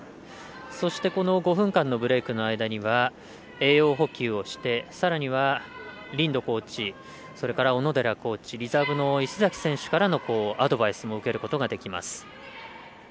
そしてこの５分間のブレークの間には栄養補給をして、さらにはリンドコーチそれから小野寺コーチリザーブの石崎選手からのアドバイスも受けることができます。